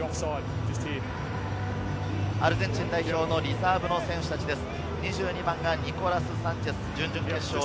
アルゼンチン代表のリザーブの選手たちです。